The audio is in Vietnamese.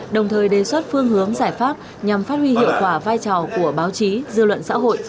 đồng thời đề xuất phương hướng giải pháp nhằm phát huy hiệu quả vai trò của báo chí dư luận xã hội